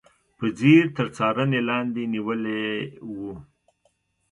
په ځیر تر څارنې لاندې نیولي و.